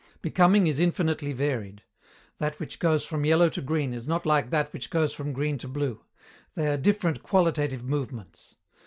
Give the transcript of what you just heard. Becoming is infinitely varied. That which goes from yellow to green is not like that which goes from green to blue: they are different qualitative movements.